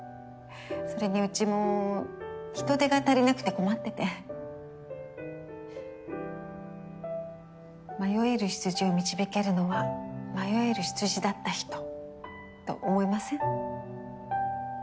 それにうちも人手が足りなくて困って迷える羊を導けるのは迷える羊だった人と思いません？